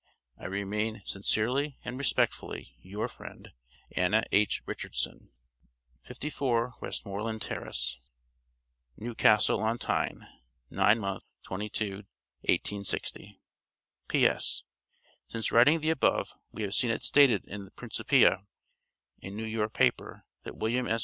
I remain, sincerely and respectfully, your friend, Anna H. Richardson. 54 Westmoreland Terrace, Newcastle on Tyne, 9 mo., 22, 1860. P.S. Since writing the above, we have seen it stated in the Principia, a New York paper, that William S.